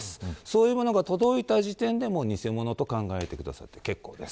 そういうものが届いた時点で偽物と考えてくださって結構です。